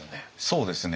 そうですね。